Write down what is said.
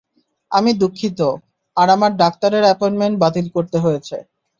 আমি দুঃখিত, আর আমার ডাক্তারের অ্যাপয়েন্টমেন্ট বাতিল করতে হয়েছে।